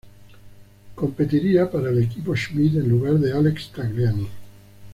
Competiría para el equipo Schmidt en lugar de Alex Tagliani.